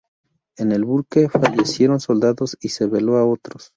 En el buque fallecieron soldados y se veló a otros.